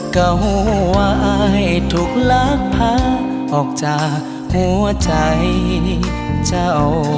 ก็หูว่าไอ้ทุกลักภาพออกจากหัวใจเจ้า